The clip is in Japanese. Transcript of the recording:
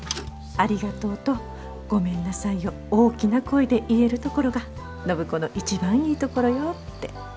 「ありがとう」と「ごめんなさい」を大きな声で言えるところが暢子の一番いいところよって。